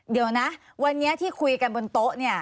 เดี๋ยวนะวันนี้ที่คุยกันบนโต๊ะเนี่ย